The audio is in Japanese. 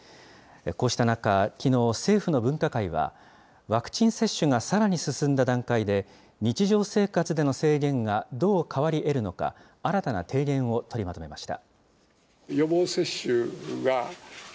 こうした中、きのう政府の分科会は、ワクチン接種がさらに進んだ段階で、日常生活での制限がどう変わりえるのか、新たな提言を取りまとめました。